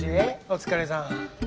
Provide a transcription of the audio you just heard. お疲れさん。